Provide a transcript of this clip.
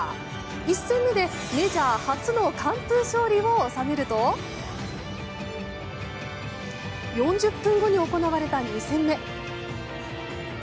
１戦目でメジャー初の完封勝利を収めると４０分後に行われた２戦目。